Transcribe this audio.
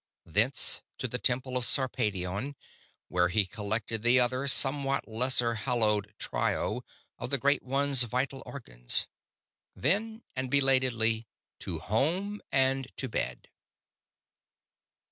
Thence to the Temple of Sarpedion, where he collected the other, somewhat lesser hallowed trio of the Great One's vital organs. Then, and belatedly, to home and to bed.